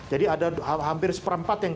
jadi ada hampir seperempat yang